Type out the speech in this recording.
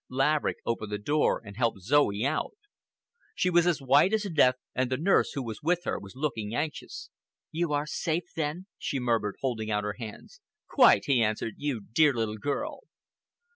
Laverick opened the door and helped Zoe out. She was as white as death, and the nurse who was with her was looking anxious. "You are safe, then?" she murmured, holding out her hands. "Quite," he answered. "You dear little girl!"